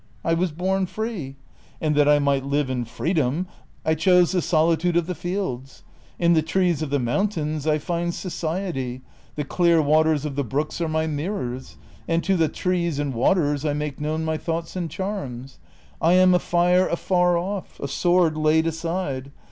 I was born free, and that I might live in freedom I chose the solitude of the fields ; in the trees of the mountains I find society, the clear waters of the brooks are my mirrors, and to the trees and waters I make known my thoughts and charms. I am a fire afar off, a sword laid aside.